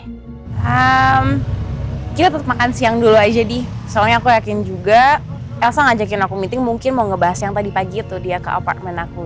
hmm kita tetap makan siang dulu aja deh soalnya aku yakin juga elsa ngajakin aku meeting mungkin mau ngebahas yang tadi pagi tuh dia ke apartemen aku